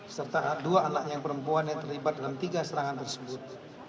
serta dua anaknya perempuan yang terlibat dengan tiga serangan tersebut